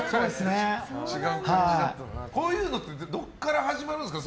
こういうのってどこから始まるんですか？